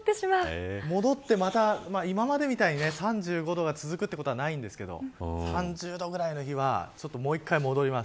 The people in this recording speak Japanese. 今までみたいに３５度が続くということないんですけど３０度ぐらいの日はもう一回、戻ります。